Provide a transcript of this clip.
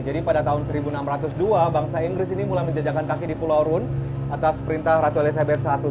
jadi pada tahun seribu enam ratus dua bangsa inggris ini mulai menjejakkan kaki di pulau rune atas perintah ratu elizabeth i